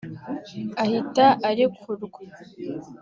ahita arekurwa